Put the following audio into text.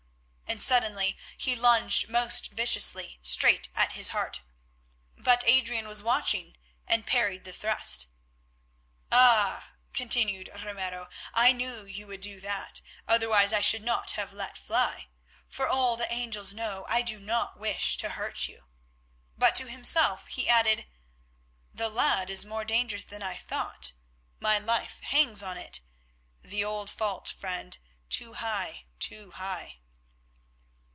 and suddenly he lunged most viciously straight at his heart. But Adrian was watching and parried the thrust. "Ah!" continued Ramiro, "I knew you would do that, otherwise I should not have let fly, for all the angels know I do not wish to hurt you." But to himself he added, "The lad is more dangerous than I thought—my life hangs on it. The old fault, friend, too high, too high!"